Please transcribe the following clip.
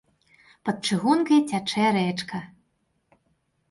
Пад чыгункай цячэ рэчка.